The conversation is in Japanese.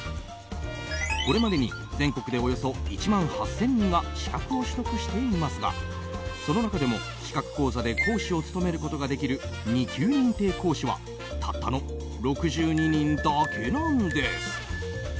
これまでに全国でおよそ１万８０００人が資格を取得していますがその中でも資格講座で講師を務めることができる２級認定講師はたったの６２人だけなんです。